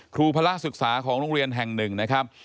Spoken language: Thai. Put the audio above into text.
ครูพระราชศึกษาของโรงเรียนแห่งหนึ่งนะครับ